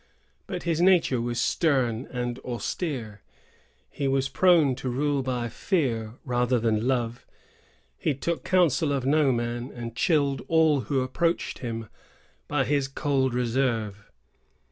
But his nature was stern and austere; he was prone to rule by fear rather than by love; he took counsel of no man, and chilled all who approached him by his cold reserve.